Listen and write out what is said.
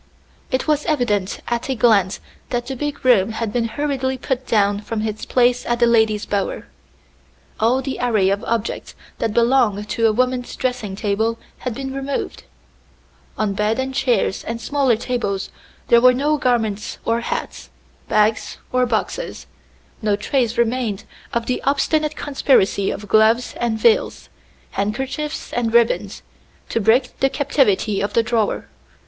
It was evident at a glance that the big room had been hurriedly put down from its place as the lady's bower. All the array of objects that belong to a woman's dressing table had been removed; on bed and chairs and smaller tables there were no garments or hats, bags or boxes; no trace remained of the obstinate conspiracy of gloves and veils, handkerchiefs and ribbons, to break the captivity of the drawer.